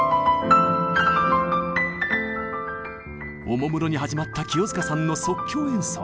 おもむろに始まった清塚さんの即興演奏。